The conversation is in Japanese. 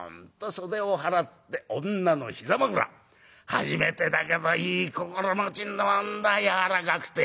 初めてだけどいい心持ちなんだ柔らかくて。